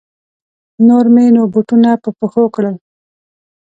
نور مې نو بوټونه په پښو کړل.